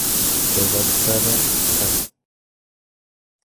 Redactada ca.